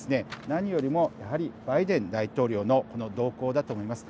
何よりも、やはりバイデン大統領のこの動向だと思います。